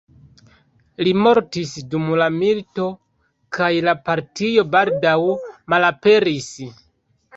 Li mortis dum la milito, kaj la partio baldaŭ malaperis.